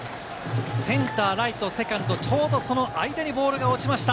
センター、ライト、セカンド、ちょうどその間にボールが落ちました。